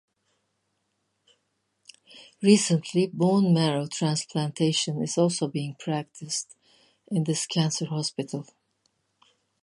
Recently Bone Marrow Transplantation is also being practiced in this Cancer Hospital.